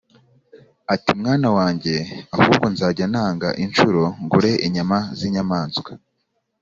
ati: "Mwana wanjye, ahubwo nzajya ntanga inshuro ngure inyama z'inyamaswa